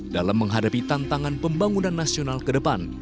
dalam menghadapi tantangan pembangunan nasional ke depan